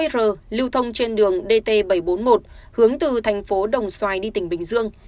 r lưu thông trên đường dt bảy trăm bốn mươi một hướng từ thành phố đồng xoài đi tỉnh bình dương